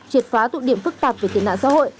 triệt phá tụ điểm phức tạp về tiện nạn xã hội